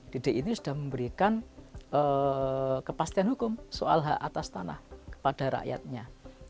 didik ini sudah memberikan kepastian hukum soal hak atas tanah kepada rakyatnya